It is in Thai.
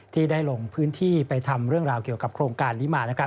ที่ได้ลงพื้นที่ไปทำเรื่องราวเกี่ยวกับโครงการนี้มา